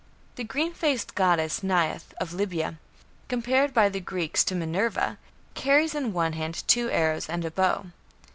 The green faced goddess Neith of Libya, compared by the Greeks to Minerva, carries in one hand two arrows and a bow.